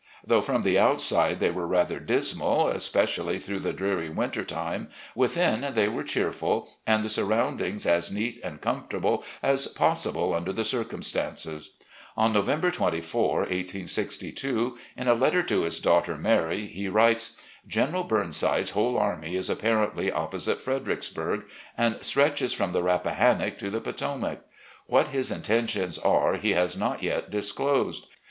Though from the out side they were rather dismal, especially through the dreary winter time, within they were cheerful, and the sur roundings as neat and comfortable as possible under the circumstances. On November 24, 1862, in a letter to his daughter Mary, he writes; .. (general Burnside's whole army is apparently opposite Fredericksbtirg, and stretches from the Rap pahannock to the Potomac. What his intentions are he 86 RECOLLECTIONS OF GENERAL LEE has not yet disclosed.